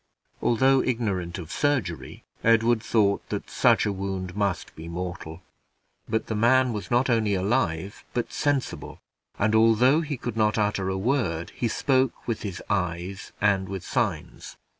Although ignorant of surgery, Edward thought that such a wound must be mortal; but the man was not only alive but sensible, and although he could not utter a word, he spoke with his eyes and with signs.